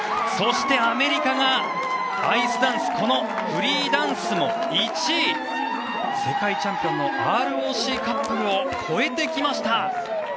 そしてアメリカがアイスダンスこのフリーダンスも１位世界チャンピオンのＲＯＣカップルを超えてきました。